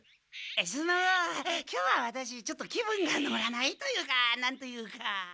その今日はワタシちょっと気分が乗らないというかなんと言うか。